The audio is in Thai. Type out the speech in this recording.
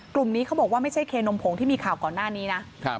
กลุ่มนี้เขาบอกว่าไม่ใช่เคนมผงที่มีข่าวก่อนหน้านี้นะ